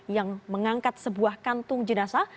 yang mengangkat sebuah kantung jenazah